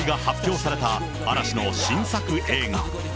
公開が発表された嵐の新作映画。